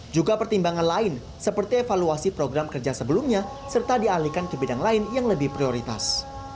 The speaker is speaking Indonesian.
juga pertimbangan lain seperti evaluasi program kerja sebelumnya serta dialihkan ke bidang lain yang lebih prioritas